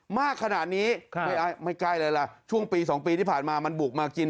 มากขนาดนี้ไม่ใกล้เลยล่ะช่วงปี๒ปีที่ผ่านมามันบุกมากิน